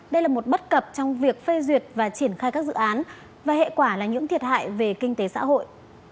đây là một bất cập trong việc phê duyệt và triển khai các dự án và hệ quả là những thiệt hại về kinh tế xã hội